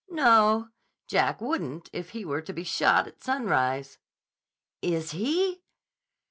"No; Jack wouldn't if he were to be shot at sunrise." "Is he?"